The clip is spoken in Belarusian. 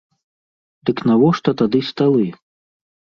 Дык навошта тады сталы?